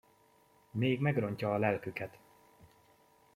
Még megrontja a lelküket!